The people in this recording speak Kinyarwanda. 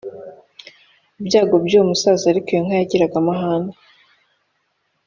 Ibyago by’uwo musaza ariko iyo nka yagiraga amahane cyane